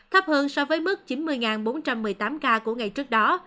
thấp hơn so với mức chín mươi bốn trăm một mươi tám ca của ngày trước đó